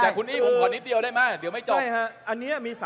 แต่คุณอี้ผมขอนิดเดียวได้ไหมเดี๋ยวไม่จบ